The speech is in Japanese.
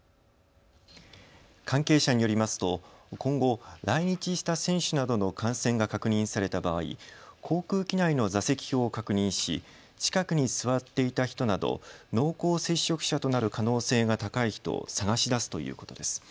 関係者によりますと今後、来日した選手などの感染が確認された場合、航空機内の座席表を確認し近くに座っていた人など濃厚接触者となる可能性が高い人を探し出すということです。